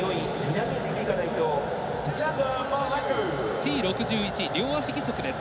Ｔ６１両足義足です。